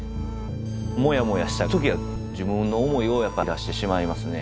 もやもやした時は自分の思いをやっぱ出してしまいますね